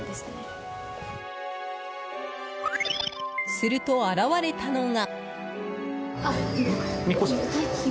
すると、現れたのが。